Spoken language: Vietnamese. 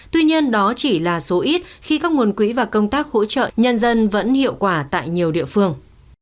tuy nhiên đó chỉ là số ít khi các nguồn quỹ và công tác hỗ trợ nhân dân vẫn hiệu quả tại nhiều địa phương